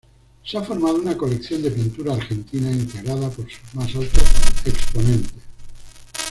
Se ha formado una colección de pintura argentina integrada por sus más altos exponentes.